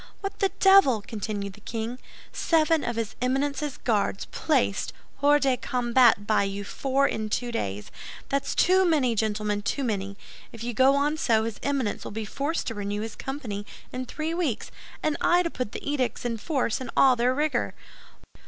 "What the devil!" continued the king. "Seven of his Eminence's Guards placed hors de combat by you four in two days! That's too many, gentlemen, too many! If you go on so, his Eminence will be forced to renew his company in three weeks, and I to put the edicts in force in all their rigor.